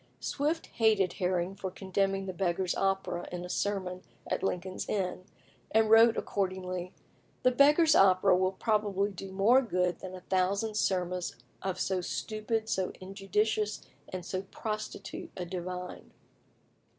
Swift hated Herring for condemning the "Beggars' Opera" in a sermon at Lincoln's Inn, and wrote accordingly: "The 'Beggars' Opera' will probably do more good than a thousand sermons of so stupid, so injudicious, and so prostitute a divine."